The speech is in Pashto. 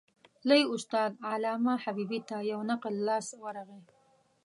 لوی استاد علامه حبیبي ته یو نقل لاس ورغلی.